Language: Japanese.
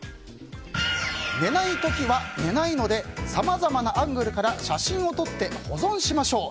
寝ない時は寝ないのでさまざまなアングルから写真を撮って、保存しましょう。